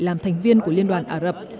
làm thành viên của liên đoàn ả rập